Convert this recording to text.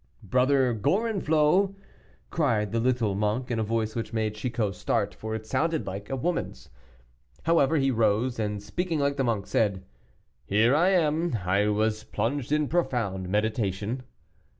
"Brother Gorenflot," cried the little monk, in a voice which made Chicot start; for it sounded like a woman's. However, he rose, and speaking like the monk, said, "Here I am; I was plunged in profound meditation."